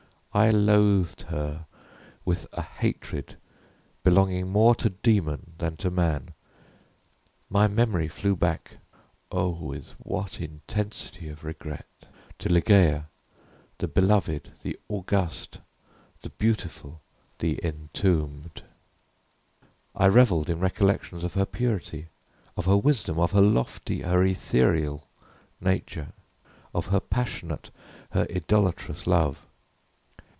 I loathed her with a hatred belonging more to demon than to man. My memory flew back (oh, with what intensity of regret!) to Ligeia, the beloved, the august, the beautiful, the entombed. I reveled in recollections of her purity, of her wisdom, of her lofty her ethereal nature, of her passionate, her idolatrous love.